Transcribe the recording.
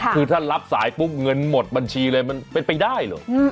คือถ้ารับสายปุ๊บเงินหมดบัญชีเลยมันเป็นไปได้เหรอ